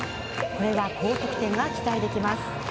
これは高得点が期待できます